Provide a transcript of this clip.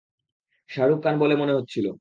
শাহরুখ খান বলে মনে হচ্ছিলো।